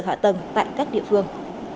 hạ tầng tại các địa phương